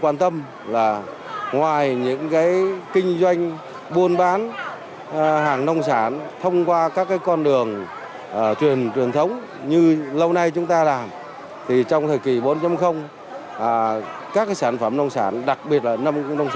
năm hai nghìn hai mươi hai nhiều sản phẩm nông sản đã được tham gia vào các thị trường khó tính